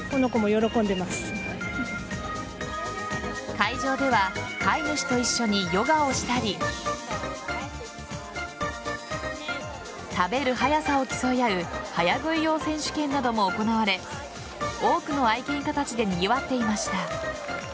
会場では飼い主と一緒にヨガをしたり食べる早さを競い合う早食い王選手権なども行われ多くの愛犬家たちでにぎわっていました。